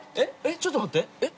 ちょっと待ってえっ